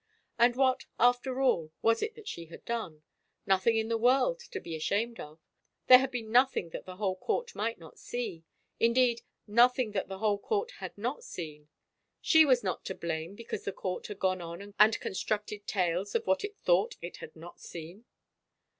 And what, after all, was it that she had done ? Noth ing in the world to be ashamed of ! There had been noth ing that the whole court might not see, indeed nothing that the whole court had not seen. She was not to blame because the court had gone on and constructed tales of what it thought it had not seen.